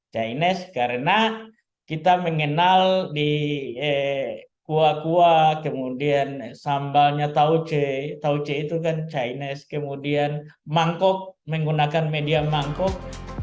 cainis karena kita mengenal di kuah kuah kemudian sambalnya tauce tauce itu kan cainis kemudian mangkuk menggunakan media mangkuk